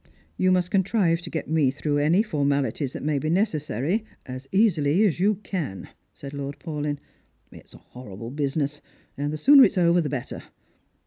" You must contrive to get me through any formalities that may be necessary as easily as you can," said Lord Paulyn, " It's a horrible "business, and tiio sooner it's over the better.